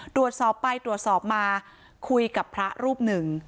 ตรวจสอบไปตรวจสอบมาคุยกับพระรูปหนึ่ง